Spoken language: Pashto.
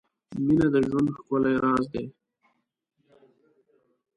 • مینه د ژوند ښکلی راز دی.